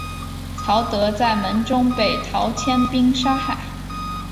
曹德在门中被陶谦兵杀害。